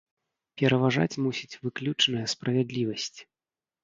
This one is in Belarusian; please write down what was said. Пераважаць мусіць выключная справядлівасць!